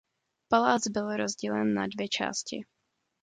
Palác byl rozdělen na dvě části.